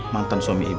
mantan suami ibu